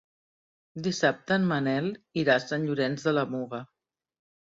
Dissabte en Manel irà a Sant Llorenç de la Muga.